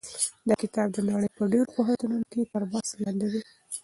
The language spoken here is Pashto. دا کتاب د نړۍ په ډېرو پوهنتونونو کې تر بحث لاندې دی.